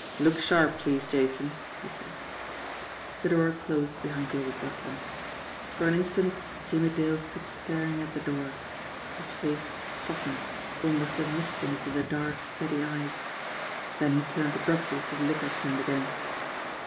"Look sharp, please, Jason," he said. The door closed behind the old butler. For an instant Jimmie Dale stood staring at the door, his face softened, almost a mistiness in the dark, steady eyes ; then he turned abruptly to the liqueur stand again.